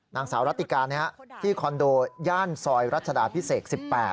นางสาวรัติการที่คอนโดย่านซอยรัชดาพิเศษ๑๘